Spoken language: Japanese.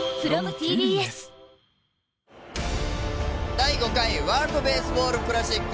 第５回ワールドベースボールクラシック。